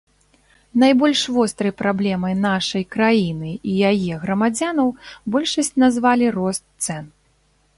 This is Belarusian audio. Найбольш вострай праблемай нашай краіны і яе грамадзянаў большасць назвалі рост цэн.